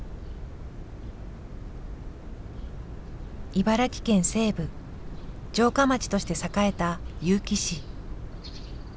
茨城県西部城下町として栄えた結城市。